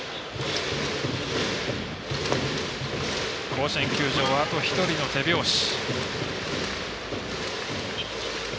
甲子園球場はあと１人の手拍子。